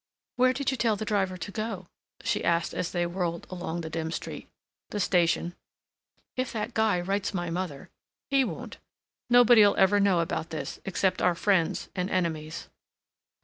"Where did you tell the driver to go?" she asked as they whirled along the dim street. "The station." "If that guy writes my mother—" "He won't. Nobody'll ever know about this—except our friends and enemies."